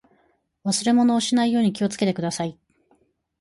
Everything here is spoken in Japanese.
忘れ物をしないように気をつけてください。